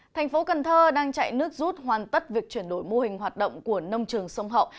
thành phố cần thơ đang chạy nước rút hoàn tất việc chuyển đổi mô hình hoạt động của nông trường sông hậu